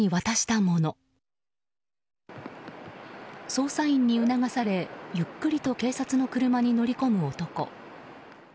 捜査員に促されゆっくりと警察の車に乗り込む男。